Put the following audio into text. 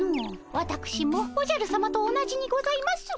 わたくしもおじゃるさまと同じにございます。